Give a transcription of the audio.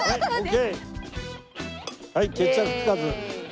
はい決着つかず。